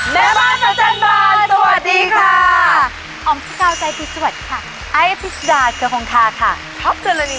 แม่บ้านประจำบาน